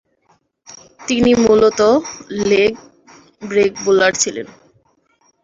তিনি মূলতঃ leg-break bowler ছিলেন।